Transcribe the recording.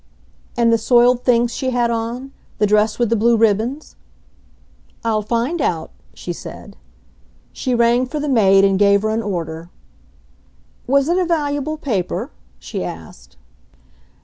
"And the soiled things she had on the dress with the blue ribbons?" "I'll find out," she said. She rang for the maid and gave her an order. "Was it a valuable paper?" she asked.